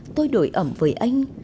tôi đổi ẩm với anh